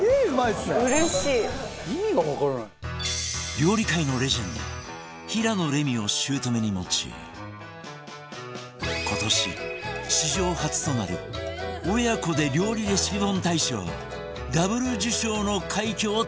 料理界のレジェンド平野レミを姑に持ち今年史上初となる親子で料理レシピ本大賞 Ｗ 受賞の快挙を達成